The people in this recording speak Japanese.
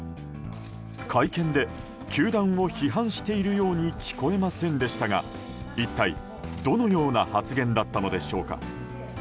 会見で球団を批判しているように聞こえませんでしたが一体どのような発言だったのでしょうか。